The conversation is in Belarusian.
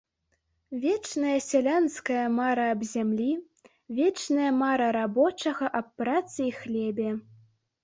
Вечная сялянская мара аб зямлі, вечная мара рабочага аб працы і хлебе!